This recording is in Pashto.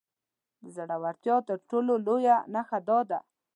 د زورورتيا تر ټولو لويه نښه دا ده.